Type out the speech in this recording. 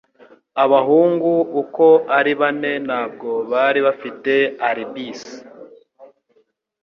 Abahungu uko ari bane ntabwo bari bafite alibis